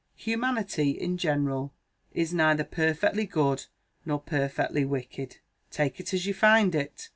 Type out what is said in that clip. Humanity, in general, is neither perfectly good nor perfectly wicked: take it as you find it.